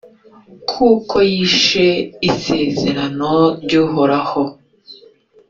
kuko yishe isezerano ry’uhoraho